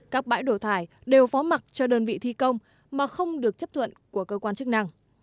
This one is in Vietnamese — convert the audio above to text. các bãi đổ thải đều phó mặt cho đơn vị thi công mà không được chấp thuận của cơ quan chức năng